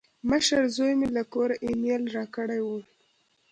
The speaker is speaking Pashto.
مشر زوی مې له کوره ایمیل راکړی و.